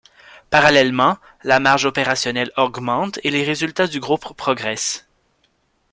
Parallèlement, la marge opérationnelle augmente et les résultats du groupe progressent.